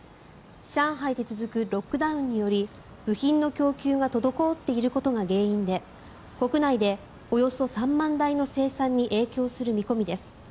上海で続くロックダウンにより部品の供給が滞っていることが原因で国内でおよそ３万台の生産に影響する見込みです。